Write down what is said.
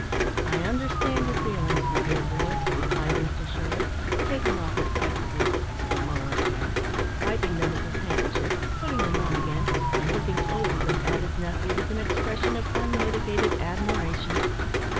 "I understand your feelings, my dear boy," replied Mr Shirley, taking off his spectacles, (the lower pair,) wiping them with his handkerchief putting them on again, and looking over them at his nephew, with an expression of unmitigated admiration.